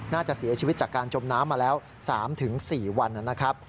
น่าจะเสียชีวิตจากการจมน้ำมาแล้ว๓๔วันนะครับ